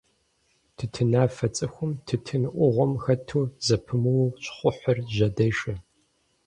Тутынафэ цӀыхум тутын Ӏугъуэм хэту зэпымыууэ щхъухьыр жьэдешэ.